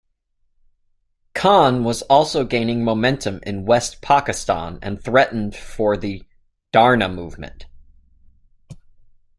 Khan, was also gaining momentum in West Pakistan and threatened for the "Dharna" movement.